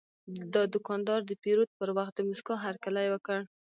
دا دوکاندار د پیرود پر وخت د موسکا هرکلی وکړ.